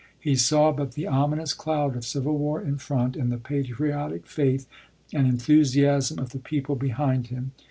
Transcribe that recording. He saw but the ominous cloud of civil war in front, and the patriotic faith and enthusiasm of the people behind him.